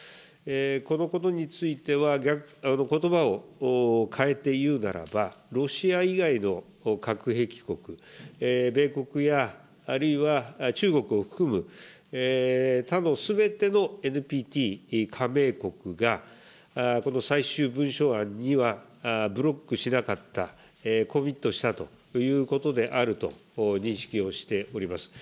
このことについては、ことばを変えて言うならば、ロシア以外の核兵器国、米国や、あるいは、中国を含む他のすべてのＮＰＴ加盟国が、この最終文書案には、ブロックしなかった、コミットしたということであると認識をしております。